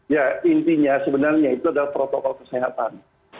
ya intinya sebenarnya itu adalah protokol kesehatan